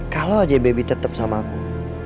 kalau aja baby tetap sama aku